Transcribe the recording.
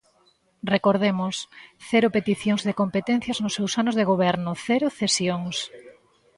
Recordemos: cero peticións de competencias nos seus anos de goberno, ¡cero cesións!